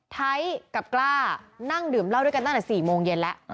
ไทยกับกล้านั่งดื่มเหล้าด้วยกันตั้งแต่๔โมงเย็นแล้ว